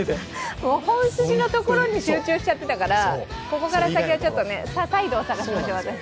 本筋のところに集中しちゃってたからここから先はサイドを探しましょう。